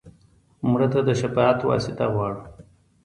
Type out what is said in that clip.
مړه ته د شفاعت واسطه غواړو